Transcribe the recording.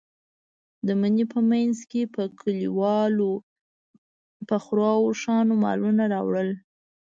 د مني په منځ کې به کلیوالو په خرو او اوښانو مالونه راوړل.